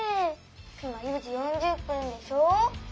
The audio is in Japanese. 今４時４０分でしょ。